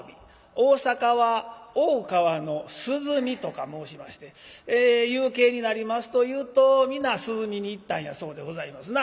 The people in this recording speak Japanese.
大阪は大川の涼みとか申しまして夕景になりますというと皆涼みに行ったんやそうでございますな。